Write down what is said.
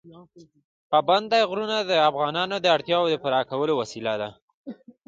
پابندی غرونه د افغانانو د اړتیاوو د پوره کولو وسیله ده.